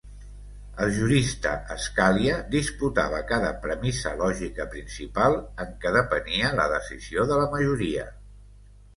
El jurista Scalia disputava cada premissa lògica principal en què depenia la decisió de la majoria.